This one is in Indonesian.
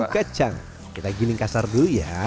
kacang kita giling kasar dulu ya